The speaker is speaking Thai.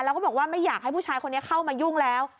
แล้วก็บอกว่าไม่อยากให้ผู้ชายคนนี้เข้ามายุ่งแล้ว